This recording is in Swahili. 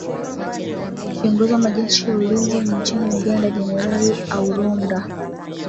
kiongozi wa majeshi ya ulinzi nchini uganda jenerali auronda